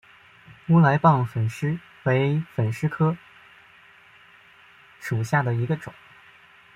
乌来棒粉虱为粉虱科棒粉虱属下的一个种。